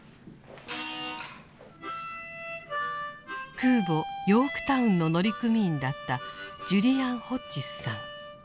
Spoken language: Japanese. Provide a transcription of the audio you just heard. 空母「ヨークタウン」の乗組員だったジュリアン・ホッジスさん。